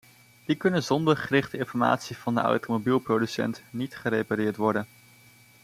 Die kunnen zonder gerichte informatie van de automobielproducent niet gerepareerd worden.